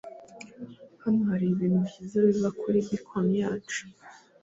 Hano haribintu byiza biva kuri bkoni yacu.